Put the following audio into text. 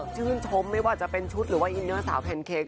ชื่นชมไม่ว่าจะเป็นชุดหรือว่าอินเนอร์สาวแพนเค้ก